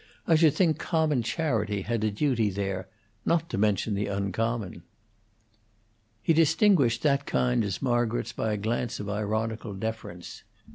I should think common charity had a duty there not to mention the uncommon." He distinguished that kind as Margaret's by a glance of ironical deference.